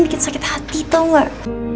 bikin sakit hati tau gak